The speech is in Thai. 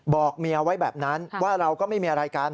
บอกเมียไว้แบบนั้นว่าเราก็ไม่มีอะไรกัน